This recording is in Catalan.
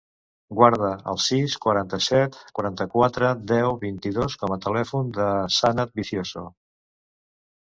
Guarda el sis, quaranta-set, quaranta-quatre, deu, vint-i-dos com a telèfon del Sanad Vicioso.